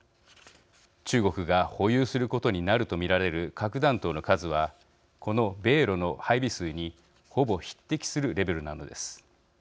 中国が保有することになると見られる核弾頭の数はこの米ロの配備数にほぼ匹敵するレベルなのです。